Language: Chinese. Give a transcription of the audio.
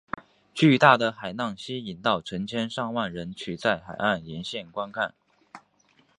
巨大的海浪吸引到成千上万人取在海岸沿线观看。